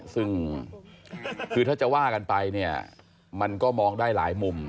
ซึ่งคือถ้าจะว่ากันไปเนี่ยมันก็มองได้หลายมุม